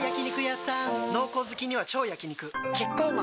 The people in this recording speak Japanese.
濃厚好きには超焼肉キッコーマン